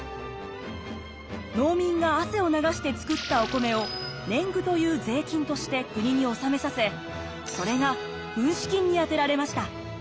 農民が汗を流して作ったお米を年貢という税金として国に納めさせそれが軍資金に充てられました。